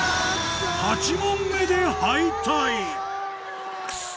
８問目で敗退クソ。